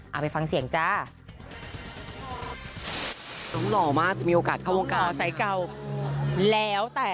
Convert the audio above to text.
เอาไปฟังเสียงจ้า